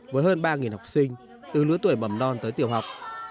với hơn ba học sinh từ lứa tuổi mầm non tới tiểu học